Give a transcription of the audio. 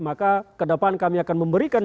maka kedepan kami akan memberikan